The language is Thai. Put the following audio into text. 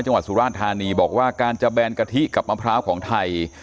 จังหวัดสุราชธานีบอกว่าการจะแบนกะทิกับมะพร้าวของไทย